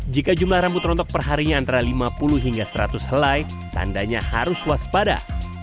jika jumlah rambut rontok perharinya antara lima puluh hingga seratus helai tandanya harus waspada